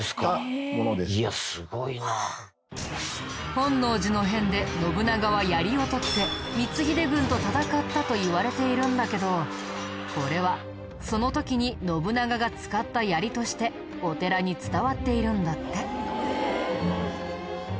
本能寺の変で信長は槍を取って光秀軍と戦ったといわれているんだけどこれはその時に信長が使った槍としてお寺に伝わっているんだって。